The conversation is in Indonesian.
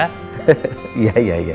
kabarin ya pak surya